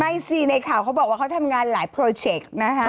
ใช่สิในข่าวเขาบอกว่าเขาทำงานหลายโปรเจคนะฮะ